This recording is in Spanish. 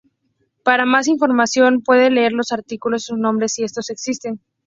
Para más información pueden leer los artículos de sus nombres si estos existen.